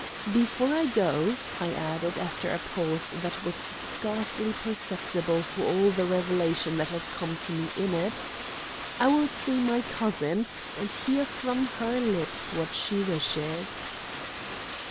"Before I go," I added, after a pause that was scarcely perceptible for all the revelation that had come to me in it, "I will see my cousin, and hear from her lips what she wishes."